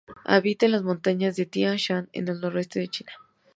Habita en las montañas de Tian Shan del noroeste de China.